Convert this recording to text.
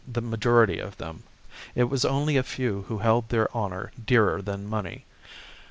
the majority of them : it was only a few who held their honour dearer than money.